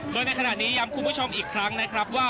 โดยในขณะนี้ย้ำคุณผู้ชมอีกครั้งนะครับว่า